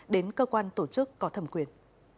đến cơ quan tổ chức có thẩm quyền